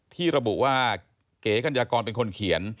ที่ระบุว่าเก๋กัญญากรเป็นคนเขียน